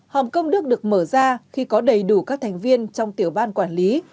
hòm công đức được mở ra khi có đầy đủ các thành viên trong tiểu ban quản lý